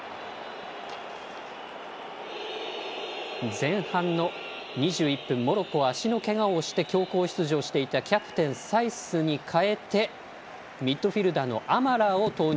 前半の２１分足のけがを押して強行出場のキャプテン、サイスに代えてミッドフィールダーのアマラーを投入。